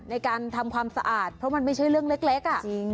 ในการทำความสะอาดเพราะมันไม่ใช่เรื่องเล็ก